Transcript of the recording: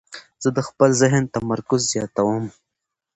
زه د خپل ذهن تمرکز زیاتوم.